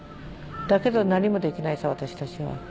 だけど何もできないさ私たちは。